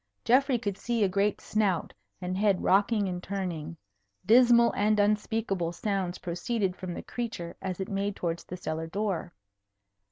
Geoffrey could see a great snout and head rocking and turning. Dismal and unspeakable sounds proceeded from the creature as it made towards the cellar door.